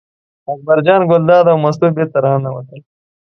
اکبر جان ګلداد او مستو بېرته راننوتل.